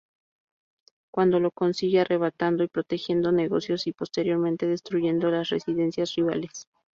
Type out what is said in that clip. Cuando lo consigue, arrebatando y protegiendo negocios, y posteriormente destruyendo las residencias rivales.